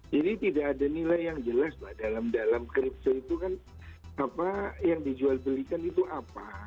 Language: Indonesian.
jadi tidak ada nilai yang jelas dalam kripto itu kan apa yang dijual belikan itu apa